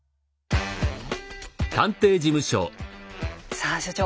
さあ所長